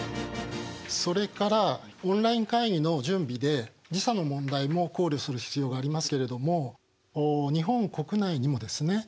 それからオンライン会議の準備で時差の問題も考慮する必要がありますけれども日本国内にもですね